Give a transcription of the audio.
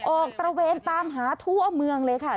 ตระเวนตามหาทั่วเมืองเลยค่ะ